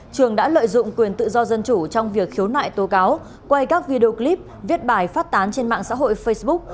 trường đã lợi dụng quyền tự do dân chủ trong việc khiếu nại tố cáo quay các video clip viết bài phát tán trên mạng xã hội facebook